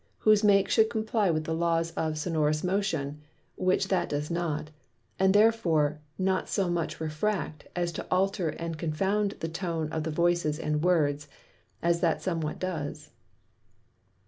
whose make should comply with the Laws of Sonorous Motion (which that does not) and therefore not so much Refract, as to alter and confound the Tone of the Voice and Words (as that somewhat does.)